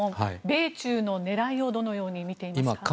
米中の狙いをどのように見ていますか。